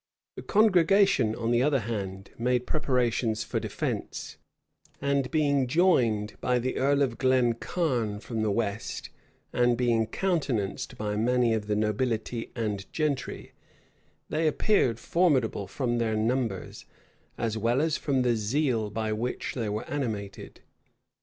The congregation, on the other hand, made preparations for defence; and being joined by the earl of Glencarne from the west, and being countenanced by many of the nobility and gentry, they appeared formidable from their numbers, as well as from the zeal by which they were animated.